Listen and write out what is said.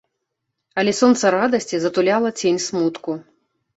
Але сонца радасці затуляла цень смутку.